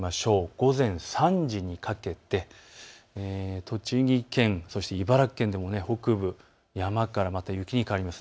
午前３時にかけて栃木県、そして茨城県でも北部山からまた雪に変わります。